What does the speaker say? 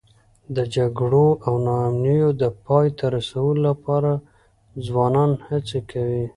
د جګړو او ناامنیو د پای ته رسولو لپاره ځوانان هڅې کوي.